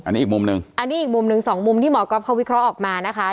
อันนี้อีกมุมหนึ่งอันนี้อีกมุมหนึ่งสองมุมที่หมอก๊อฟเขาวิเคราะห์ออกมานะคะ